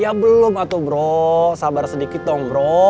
ya belum atuh bro sabar sedikit dong